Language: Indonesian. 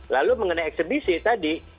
lalu mengenai eksebisi tadi